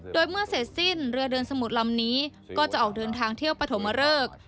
โดยเมื่อเสร็จสิ้นเรือเดินสมุดลำนี้ก็จะออกเดินทางเที่ยวปฐมเริก